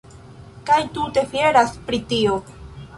Kaj tute fieras pri tio!